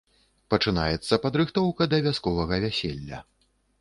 Пачынаецца падрыхтоўка да вясковага вяселля.